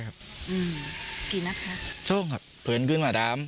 แล้วตอนนั้นเห็นรถไหม